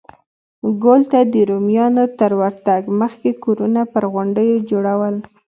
ګول ته د رومیانو تر ورتګ مخکې کورونه پر غونډیو جوړول